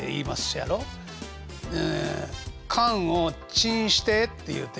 「燗をチンして」って言うて。